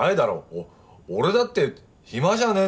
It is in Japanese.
お俺だって暇じゃねえんだよ。